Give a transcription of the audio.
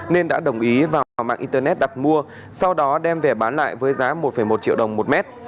nên đã đồng ý vào mạng internet đặt mua sau đó đem về bán lại với giá một một triệu đồng một mét